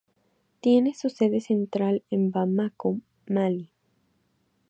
Tiene su sede central en Bamako, Mali.